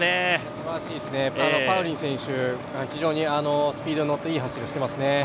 すばらしいですね、パウリン選手、非常にスピードに乗っていい走りしてますね。